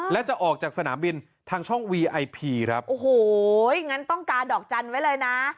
และจะออกจากสนามบินทางช่องวีไอพีครับโอ้โหงั้นต้องกาดอกจันทร์ไว้เลยนะ